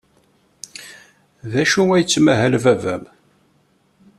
D acu ay yettmahal baba-m?